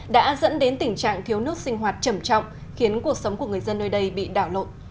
đã dẫn đến tình trạng thiếu nước sinh hoạt trầm trọng khiến cuộc sống của người dân nơi đây bị đảo lộn